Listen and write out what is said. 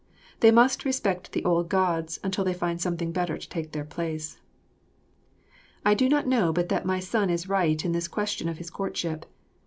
They must respect the old Gods until they find something better to take their place. I do not know but that my son is right in this question of his courtship.